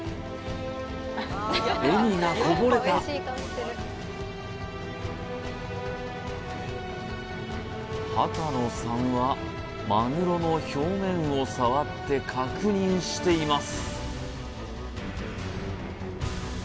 笑みがこぼれた秦野さんはまぐろの表面を触って確認しています